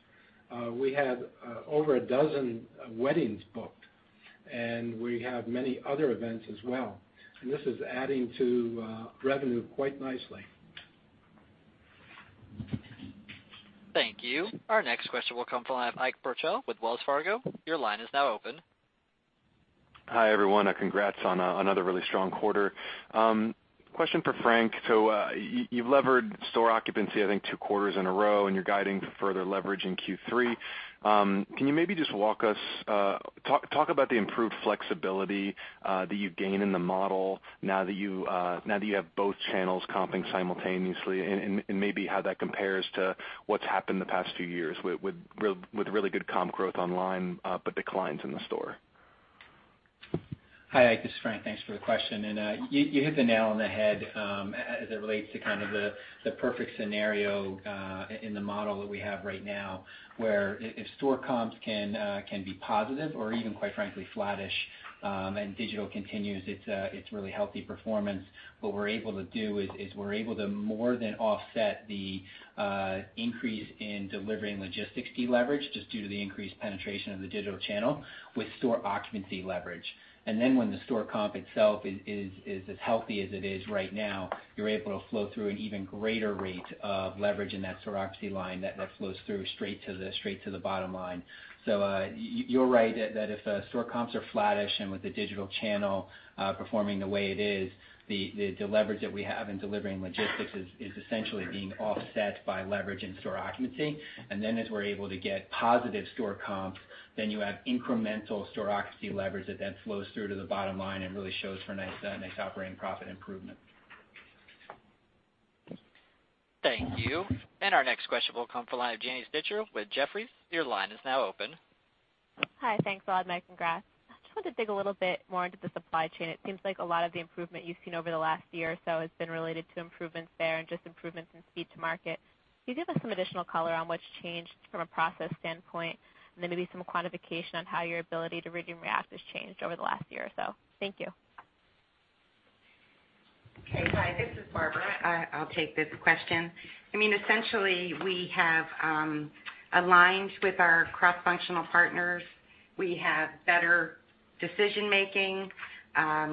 [SPEAKER 5] we had over a dozen weddings booked, and we have many other events as well. This is adding to revenue quite nicely.
[SPEAKER 1] Thank you. Our next question will come from Ike Boruchow with Wells Fargo. Your line is now open.
[SPEAKER 16] Hi, everyone. Congrats on another really strong quarter. Question for Frank. You've levered store occupancy, I think, two quarters in a row, and you're guiding for further leverage in Q3. Can you maybe just talk about the improved flexibility that you gain in the model now that you have both channels comping simultaneously and maybe how that compares to what's happened the past two years with really good comp growth online, but declines in the store.
[SPEAKER 3] Hi, Ike. This is Frank. Thanks for the question. You hit the nail on the head as it relates to the perfect scenario in the model that we have right now, where if store comps can be positive or even, quite frankly, flattish, and digital continues its really healthy performance, what we're able to do is we're able to more than offset the increase in delivering logistics deleverage, just due to the increased penetration of the digital channel with store occupancy leverage. When the store comp itself is as healthy as it is right now, you're able to flow through an even greater rate of leverage in that store occupancy line that flows through straight to the bottom line. You're right, that if store comps are flattish and with the digital channel performing the way it is, the leverage that we have in delivering logistics is essentially being offset by leverage in store occupancy. As we're able to get positive store comps, then you have incremental store occupancy leverage that then flows through to the bottom line and really shows for a nice operating profit improvement.
[SPEAKER 1] Thank you. Our next question will come from the line of Janine Stichter with Jefferies. Your line is now open.
[SPEAKER 17] Hi, thanks a lot. Meg, congrats. I just wanted to dig a little bit more into the supply chain. It seems like a lot of the improvement you've seen over the last year or so has been related to improvements there and just improvements in speed to market. Can you give us some additional color on what's changed from a process standpoint and then maybe some quantification on how your ability to rig and react has changed over the last year or so? Thank you.
[SPEAKER 18] Okay. Hi, this is Barbara. I'll take this question. Essentially, we have aligned with our cross-functional partners. We have better decision-making.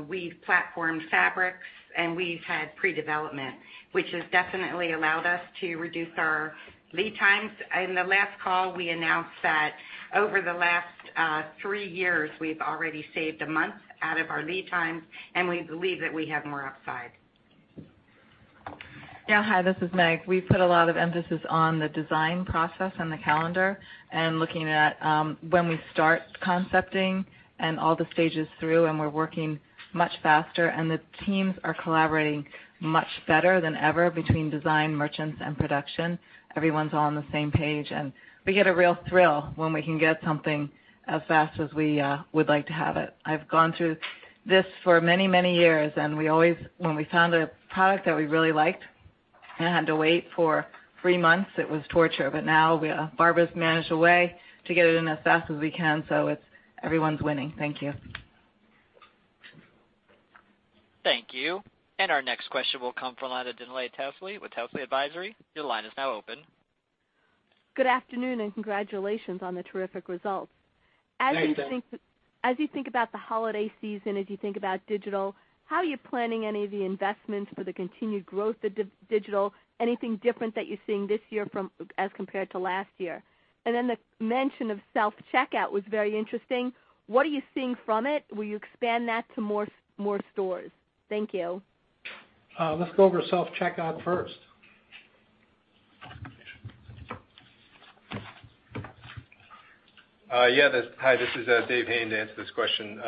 [SPEAKER 18] We've platformed fabrics, and we've had pre-development, which has definitely allowed us to reduce our lead times. In the last call, we announced that over the last three years, we've already saved a month out of our lead times, and we believe that we have more upside.
[SPEAKER 19] Yeah. Hi, this is Meg. We put a lot of emphasis on the design process and the calendar and looking at when we start concepting and all the stages through. We're working much faster and the teams are collaborating much better than ever between design, merchants, and production. Everyone's all on the same page. We get a real thrill when we can get something as fast as we would like to have it. I've gone through this for many, many years. When we found a product that we really liked and had to wait for three months, it was torture. Now Barbara's managed a way to get it in as fast as we can. Everyone's winning. Thank you.
[SPEAKER 1] Thank you. Our next question will come from the line of Dana Telsey with Telsey Advisory. Your line is now open.
[SPEAKER 20] Good afternoon, congratulations on the terrific results.
[SPEAKER 5] Thanks, Dana.
[SPEAKER 20] As you think about the holiday season, as you think about digital, how are you planning any of the investments for the continued growth of digital? Anything different that you're seeing this year as compared to last year? The mention of self-checkout was very interesting. What are you seeing from it? Will you expand that to more stores? Thank you.
[SPEAKER 5] Let's go over self-checkout first.
[SPEAKER 21] Yeah. Hi, this is Dave Hayne to answer this question.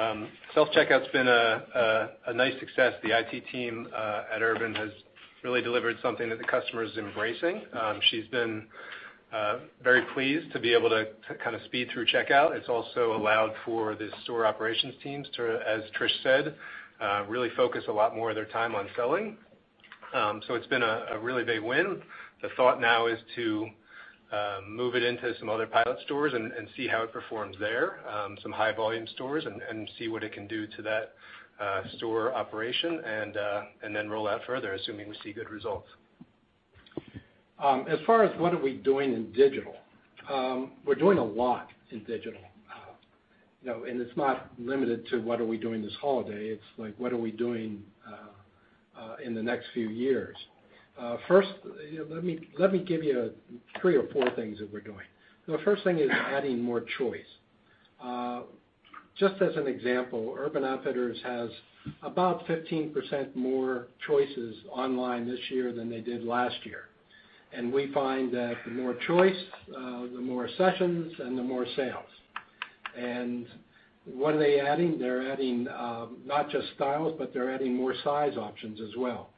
[SPEAKER 21] Self-checkout's been a nice success. The IT team at Urban has really delivered something that the customer is embracing. She's been very pleased to be able to speed through checkout. It's also allowed for the store operations teams to, as Trish said, really focus a lot more of their time on selling. It's been a really big win. The thought now is to move it into some other pilot stores and see how it performs there, some high volume stores, and see what it can do to that store operation and then roll out further, assuming we see good results.
[SPEAKER 5] As far as what are we doing in digital, we're doing a lot in digital. It's not limited to what are we doing this holiday. It's like, what are we doing in the next few years? First, let me give you three or four things that we're doing. The first thing is adding more choice. Just as an example, Urban Outfitters has about 15% more choices online this year than they did last year. We find that the more choice, the more sessions, and the more sales. What are they adding? They're adding not just styles, but they're adding more size options as well.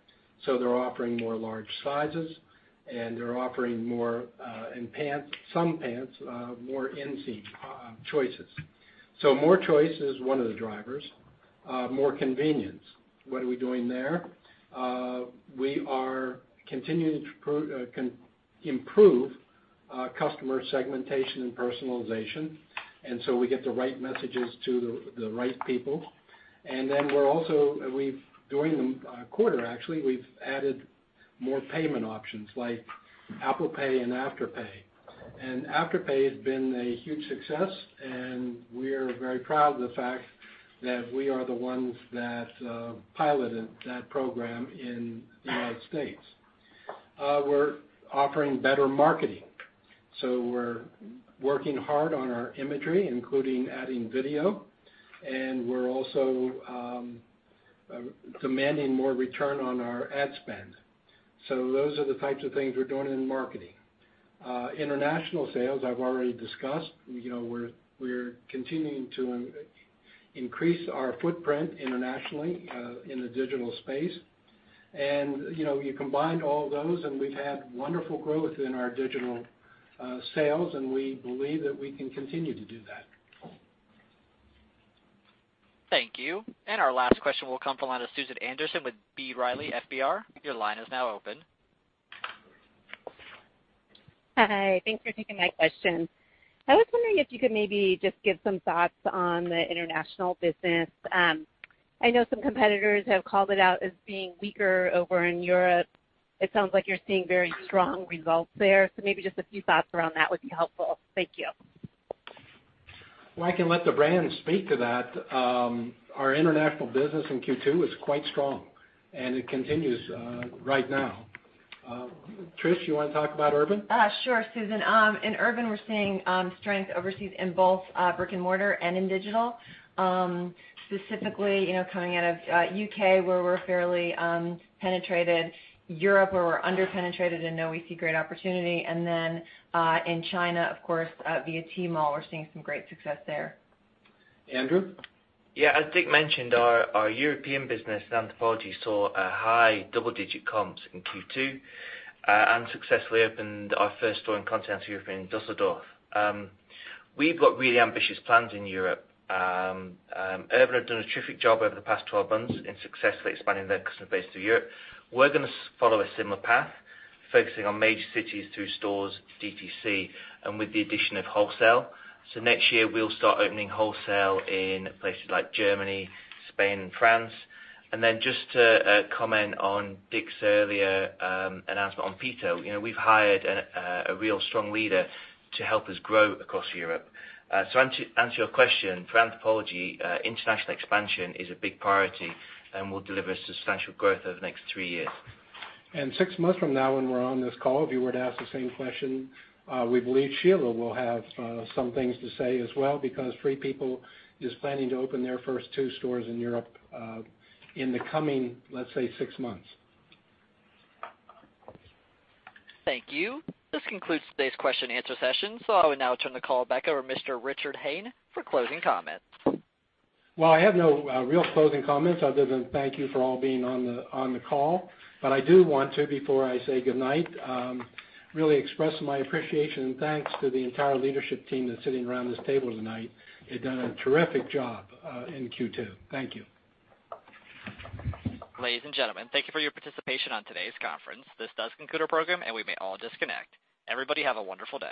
[SPEAKER 5] They're offering more large sizes, and they're offering more, in some pants, more inseam choices. More choice is one of the drivers. More convenience. What are we doing there? We are continuing to improve customer segmentation and personalization, and so we get the right messages to the right people. During the quarter, actually, we've added more payment options like Apple Pay and Afterpay. Afterpay has been a huge success, and we're very proud of the fact that we are the ones that piloted that program in the U.S. We're offering better marketing. We're working hard on our imagery, including adding video, and we're also demanding more return on our ad spend. Those are the types of things we're doing in marketing. International sales, I've already discussed. We're continuing to increase our footprint internationally in the digital space. You combine all those, and we've had wonderful growth in our digital sales, and we believe that we can continue to do that.
[SPEAKER 1] Thank you. Our last question will come from the line of Susan Anderson with B. Riley FBR. Your line is now open.
[SPEAKER 22] Hi. Thanks for taking my question. I was wondering if you could maybe just give some thoughts on the international business. I know some competitors have called it out as being weaker over in Europe. It sounds like you're seeing very strong results there, maybe just a few thoughts around that would be helpful. Thank you.
[SPEAKER 5] Well, I can let the brand speak to that. Our international business in Q2 is quite strong, it continues right now. Trish, you want to talk about Urban?
[SPEAKER 4] Sure, Susan. In Urban, we're seeing strength overseas in both brick and mortar and in digital. Specifically, coming out of U.K. where we're fairly penetrated, Europe where we're under-penetrated and know we see great opportunity, then in China, of course, via Tmall. We're seeing some great success there.
[SPEAKER 5] Andrew?
[SPEAKER 15] As Dick mentioned, our European business in Anthropologie saw a high double-digit comps in Q2 and successfully opened our first store in continental Europe in Düsseldorf. We've got really ambitious plans in Europe. Urban have done a terrific job over the past 12 months in successfully expanding their customer base through Europe. We're going to follow a similar path, focusing on major cities through stores, DTC, and with the addition of wholesale. Next year, we'll start opening wholesale in places like Germany, Spain, and France. Then just to comment on Dick's earlier announcement on Pito. We've hired a real strong leader to help us grow across Europe. To answer your question, for Anthropologie, international expansion is a big priority and will deliver substantial growth over the next three years.
[SPEAKER 5] Six months from now when we're on this call, if you were to ask the same question, we believe Sheila will have some things to say as well because Free People is planning to open their first two stores in Europe in the coming, let's say, six months.
[SPEAKER 1] Thank you. This concludes today's question and answer session. I will now turn the call back over to Mr. Richard Hayne for closing comments.
[SPEAKER 5] I have no real closing comments other than thank you for all being on the call. But I do want to, before I say good night, really express my appreciation and thanks to the entire leadership team that's sitting around this table tonight. They've done a terrific job in Q2. Thank you.
[SPEAKER 1] Ladies and gentlemen, thank you for your participation on today's conference. This does conclude our program, and we may all disconnect. Everybody have a wonderful day.